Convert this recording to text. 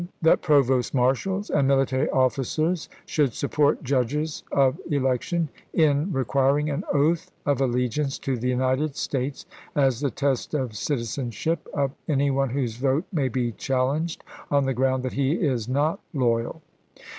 .2. That provost marshals and military officers should support judges of election "in re quiring an oath of allegiance to the United States as the test of citizenship of any one whose vote may be challenged on the ground that he is not loyal."